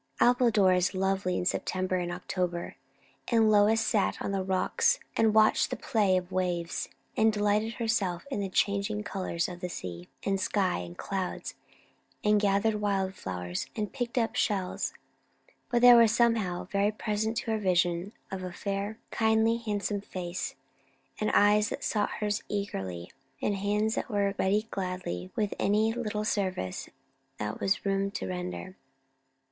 Appledore is lovely in September and October; and Lois sat on the rocks and watched the play of the waves, and delighted herself in the changing colours of sea, and sky, and clouds, and gathered wild flowers, and picked up shells; but there was somehow very present to her the vision of a fair, kindly, handsome face, and eyes that sought hers eagerly, and hands that were ready gladly with any little service that there was room to render.